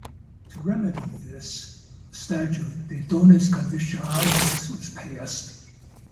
To remedy this the statute "De donis conditionalibus" was passed.